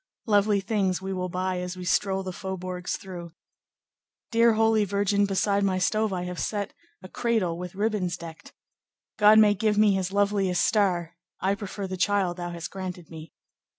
"Lovely things we will buy As we stroll the faubourgs through. "Dear Holy Virgin, beside my stove I have set a cradle with ribbons decked. God may give me his loveliest star; I prefer the child thou hast granted me.